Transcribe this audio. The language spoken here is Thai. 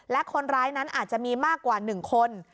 และคนร้ายนั้นอาจจะมีมากกว่า๑คน